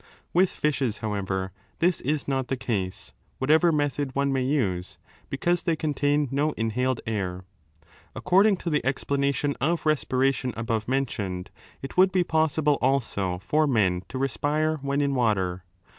With fishes, 280 RESPIRATION IN nsHES 291 iowever, this is not the case, whatever method one may because they contain no inhaled air. According to 4 the explanation of respiration above mentioned, it would 'be possible also for men to respire when in water.